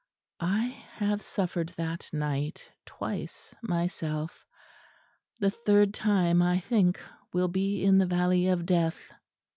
I have suffered that Night twice myself; the third time I think, will be in the valley of death."